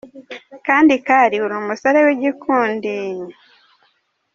Kandi Kali, uri umusore w ‘igikundi… ".